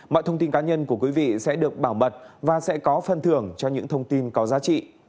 mọi thông tin cá nhân của quý vị sẽ được bảo mật và sẽ có phân thưởng cho những thông tin có giá trị